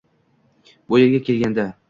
Bu yerga kelganda